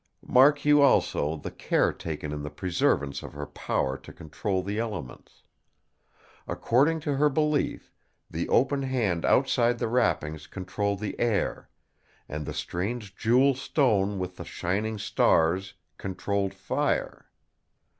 Mark you also, the care taken in the preservance of her power to control the elements. According to her belief, the open hand outside the wrappings controlled the Air, and the strange Jewel Stone with the shining stars controlled Fire.